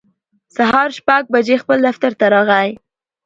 سهار شپږ بجې خپل دفتر راغی